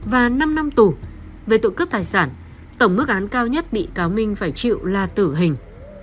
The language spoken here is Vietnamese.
và năm năm tù về tội cướp tài sản tổng mức án cao nhất bị cáo minh phải chịu là tử hình